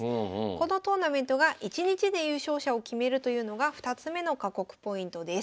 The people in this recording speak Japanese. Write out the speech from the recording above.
このトーナメントが１日で優勝者を決めるというのが２つ目の過酷ポイントです。